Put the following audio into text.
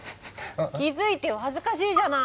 気付いてよ恥ずかしいじゃない！